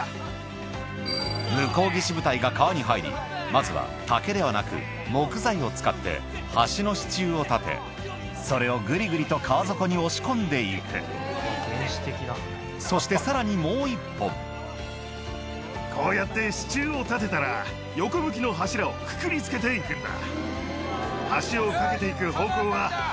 が川に入りまずは竹ではなく木材を使って橋の支柱を立てそれをグリグリと川底に押し込んで行くそしてさらにもう１本こうやって支柱を立てたら横向きの柱をくくりつけて行くんだ。